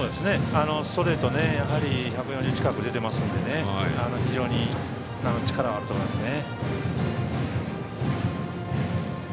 ストレートで１４０近く出てますので非常に力はあると思いますね。